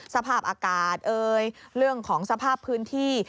สภาพอากาศเอ่ยเรื่องของสภาพพื้นที่